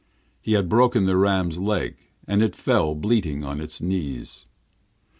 He had broken the ram's leg, and it fell bleating on to its knees.